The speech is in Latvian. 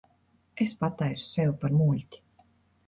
Es pataisu sevi par muļķi.